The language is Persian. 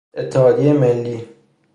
اتحادیه ملی